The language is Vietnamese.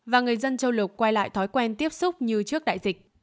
và người dân châu lục quay lại thói quen tiếp xúc như trước đại dịch